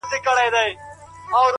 زما د زړه گلونه ساه واخلي-